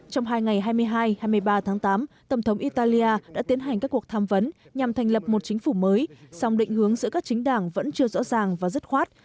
trong hai ngày hai mươi hai hai mươi ba tháng tám tổng thống italia đã tiến hành các cuộc tham vấn nhằm thành lập một chính phủ mới song định hướng giữa các chính đảng vẫn chưa rõ ràng và dứt khoát